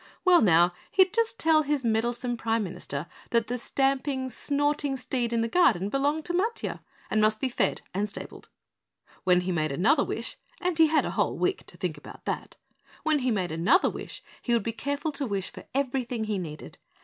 Well now, he'd just tell his meddlesome Prime Minister that the stamping, snorting steed in the garden belonged to Matiah and must be fed and stabled. When he made another wish and he had a whole week to think about that when he made another wish he would be careful to wish for everything he needed.